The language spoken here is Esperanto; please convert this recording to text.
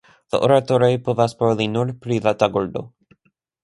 La oratoroj povas paroli nur pri la tagordo.